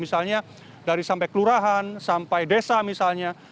misalnya dari sampai kelurahan sampai desa misalnya